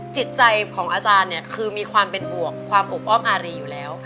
จิตใจของอาจารย์เนี่ยคือมีความเป็นอวกความอบอ้อมอารีอยู่แล้ว